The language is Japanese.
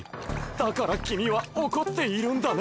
だから君は怒っているんだね？